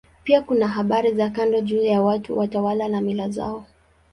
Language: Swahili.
Pia kuna habari za kando juu ya watu, watawala na mila zao.